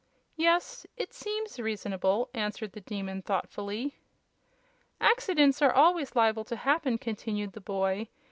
Yes; it seems reasonable," answered the Demon, thoughtfully. "Accidents are always liable to happen," continued the boy.